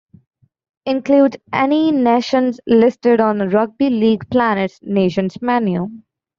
Includes any nations listed on Rugby League Planet's 'nations menu'